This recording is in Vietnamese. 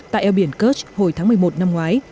tại eo biển kurch hồi tháng một mươi một năm ngoái